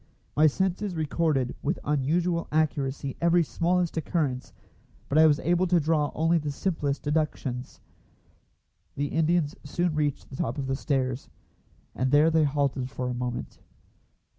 My senses recorded with unusual accuracy every smallest occurrence, but I was able to draw only the simplest deductions. The Indians soon reached the top of the stairs, and there they halted for a moment.